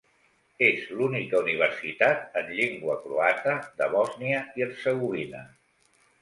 És l'única universitat en llengua croata de Bòsnia i Hercegovina.